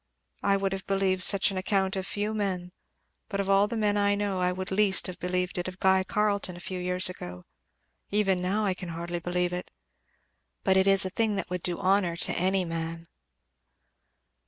I would have believed such an account of few men, but of all the men I know I would least have believed it of Guy Carleton a few years ago; even now I can hardly believe it. But it is a thing that would do honour to any man."